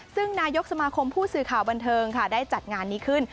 ซึ่งนายกสมาคมผู้สื่อข่าวบันเทิงค่ะได้จัดงานนี้ขึ้น